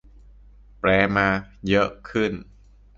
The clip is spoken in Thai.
แปลมา เยอะขึ้น